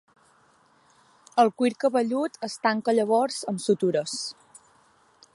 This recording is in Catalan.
El cuir cabellut es tanca llavors amb sutures.